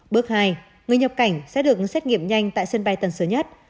bước hai người nhập cảnh sẽ được xét nghiệm nhanh tại sân bay tần sớ nhất